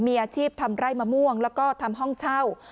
มีอาชีพทำไร่มะม่วงแล้วก็ทำห้องเช่า